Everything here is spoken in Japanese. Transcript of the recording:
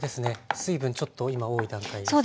水分ちょっと今多い段階ですね。